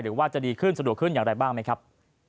ว่าจะดีขึ้นสะดวกขึ้นอย่างไรบ้างไหมครับ